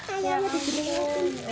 ayamnya diberi nanti